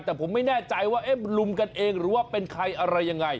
แต่ผมไม่แน่ใจว่าเอ๊ะลุมกันเองหรือว่าเป็นใครอะไรยังไง